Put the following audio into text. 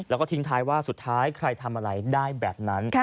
แล้วก็ทิ้งท้ายว่าสุดท้ายใครทำอะไรได้แบบนั้น